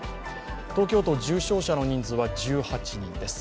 東京都、重症者の人数は１８人です。